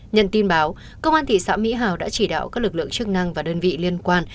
nhận tin báo công an thị xã mỹ hào đã chỉ đạo các lực lượng chức năng và đơn vị liên quan